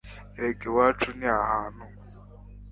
erega iwacu ni ahantu